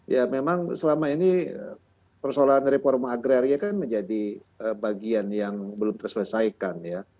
ya memang selama ini persoalan reforma agraria kan menjadi bagian yang belum terselesaikan ya